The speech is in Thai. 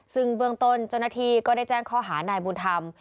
ซึ่งเบื้องต้นเจ้าหน้าที่ก็ได้แจ้งข้อหานายบุญธรรม